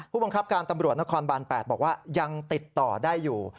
ผู้บังคับการตำรวจนครบาน๘บอกว่ายังติดต่อได้อยู่